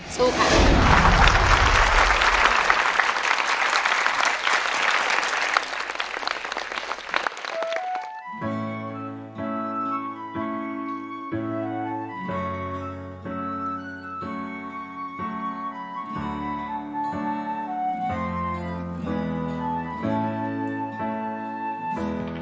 สุขครับ